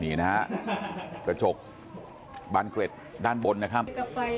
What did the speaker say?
นี่นะฮะกระจกบานเกร็ดด้านบนนะครับ